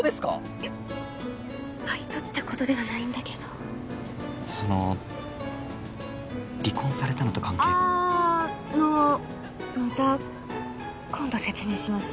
いやバイトってことではないんだけどその離婚されたのと関係があのまた今度説明します